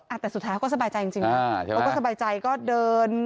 อ่ะแต่สุดท้ายเขาก็สบายใจจริงจริงเขาก็สบายใจก็เดิน